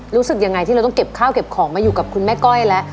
รู้สึกยังไงที่เราต้องเก็บข้าวเก็บของมาอยู่กับคุณแม่ก้อยแล้ว